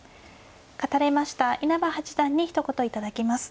勝たれました稲葉八段にひと言頂きます。